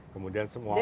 kemudian semua orang